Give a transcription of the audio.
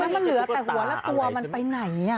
มันเหลือแต่หัวละตัวมันไปไหน